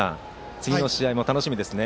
次の試合も楽しみですね。